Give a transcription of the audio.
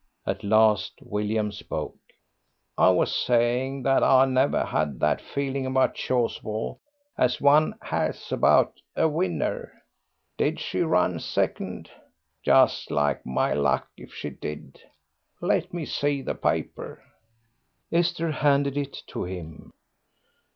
At last William spoke. "I was saying that I never had that feeling about Chasuble as one 'as about a winner. Did she run second? Just like my luck if she did. Let me see the paper." Esther handed it to him.